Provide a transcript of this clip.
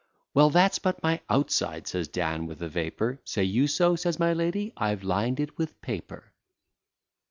Well, that's but my outside, says Dan, with a vapour; Say you so? says my lady; I've lined it with paper.